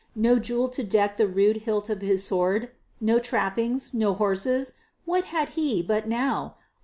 No jewel to deck the rude hilt of his sword No trappings no horses? what had he, but now?